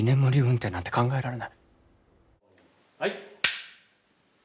はい。